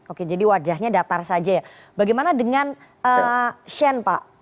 oke jadi wajahnya datar saja ya bagaimana dengan shane pak